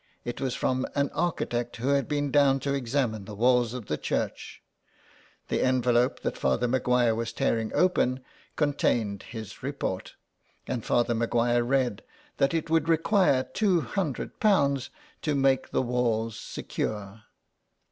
It was from an architect who had been down to examine the walls of the church. The envelope that Father Maguire was tearing open contained his report, and Father Maguire read that it would require i^200 to make the walls secure.